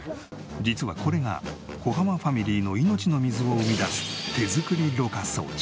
実はこれが小濱ファミリーの命の水を生み出す手作りろ過装置。